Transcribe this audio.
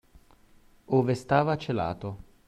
Ove stava celato